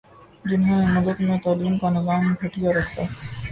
جہنوں نے ملک میں تعلیم کا نظام گٹھیا رکھا